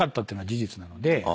事実なので。